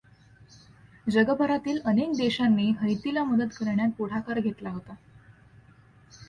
जगभरातील अनेक देशांनी हैतीला मदत करण्यात पुढाकार घेतला होता.